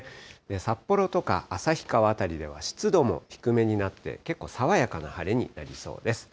札幌とか旭川辺りでは、湿度も低めになって、結構爽やかな晴れになりそうです。